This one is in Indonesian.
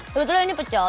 sebetulnya ini pecel